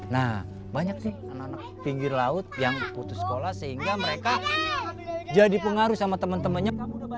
nah banyak sih anak anak pinggir laut yang putus sekolah sehingga mereka jadi pengaruh sama temen temennya